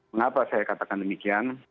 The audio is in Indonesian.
mengapa saya katakan demikian